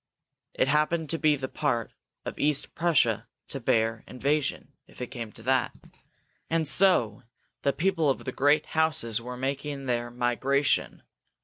It happened to be the part of East Prussia to bear invasion, if it came to that. And so the people of the great houses were making their migration.